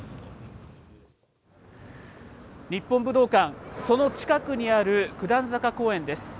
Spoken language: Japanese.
日本武道館、その近くにある九段坂公園です。